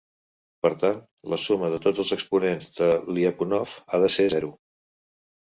Per tant, la suma de tots els exponents de Lyapunov ha de ser zero.